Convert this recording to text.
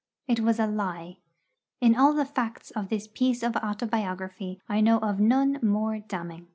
It was a lie. In all the facts of this piece of autobiography, I know of none more damning.